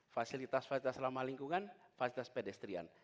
fasilitas fasilitas ramah lingkungan fasilitas pedestrian